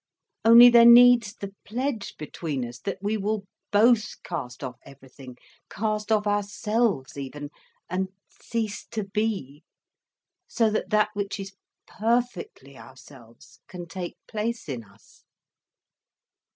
Only there needs the pledge between us, that we will both cast off everything, cast off ourselves even, and cease to be, so that that which is perfectly ourselves can take place in us."